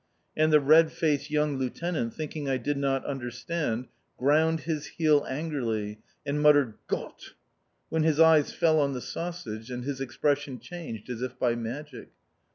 And the red faced young Lieutenant, thinking I did not understand, ground his heel angrily, and muttered "Gott!" when his eyes fell on the sausage, and his expression changed as if by magic.